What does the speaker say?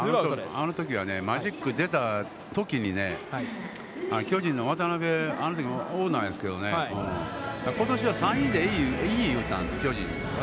あのときはね、マジック出たときにね、巨人の渡辺、あのとき、オーナーですけれどもね、ことしは３位でいいって言うたんです、巨人。